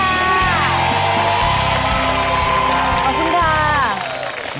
ขอบคุณค่ะ